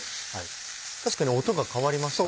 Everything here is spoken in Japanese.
確かに音が変わりましたね。